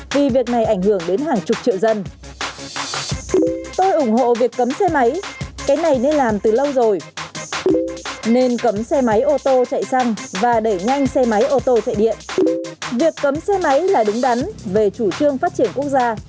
việc cấm xe máy là đúng đắn về chủ trương phát triển quốc gia